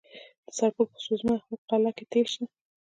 د سرپل په سوزمه قلعه کې تیل شته.